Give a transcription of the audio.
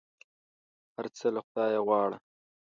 هر څه له خدایه غواړه !